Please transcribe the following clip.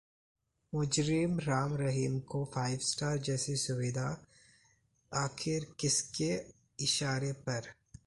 मुजरिम राम रहीम को five star जैसी सुविधा, आखिर किसके इशारे पर?